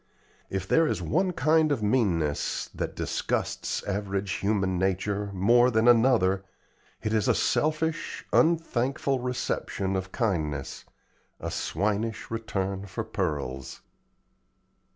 If there is one kind of meanness that disgusts average human nature more than another it is a selfish, unthankful reception of kindness, a swinish return for pearls.